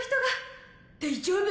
大丈夫。